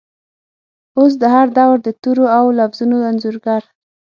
اوس د هردور دتورو ،اودلفظونو انځورګر،